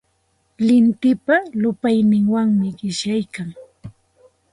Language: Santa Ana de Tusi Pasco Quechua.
Lintipa llupayninwanmi qishyaykan.